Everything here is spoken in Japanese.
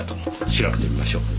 調べてみましょう。